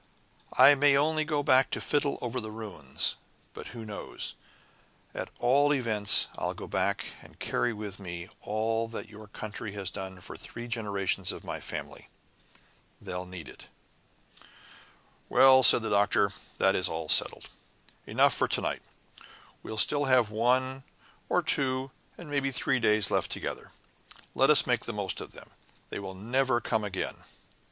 "I may only go back to fiddle over the ruins. But who knows? At all events, I'll go back and carry with me all that your country had done for three generations of my family. They'll need it." "Well," said the Doctor, "that is all settled. Enough for to night. We'll still have one or two, and it may be three days left together. Let us make the most of them. They will never come again."